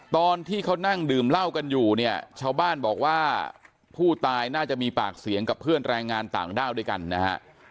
ตอนที่เขานั่งดื่มเหล้ากันอยู่เนี่ยชาวบ้านบอกว่าผู้ตายน่าจะมีปากเสียงกับเพื่อนแรงงานต่างด้าวด้วยกันนะฮะ